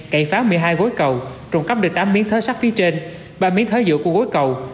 cậy phá một mươi hai gối cầu trộm cắp được tám miếng thớ sắc phía trên ba miếng thớ giữa của gối cầu